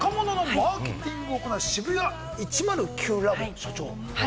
若者のマーケティングを行うＳＨＩＢＵＹＡ１０９ｌａｂ．の所長。